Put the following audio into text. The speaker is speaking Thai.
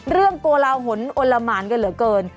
เรื่องโปรลาหลวนอลลามานกันเหลือเกิน